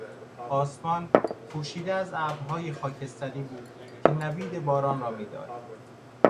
آسمان پوشیده از ابرهای خاکستری بود که نوید باران را میداد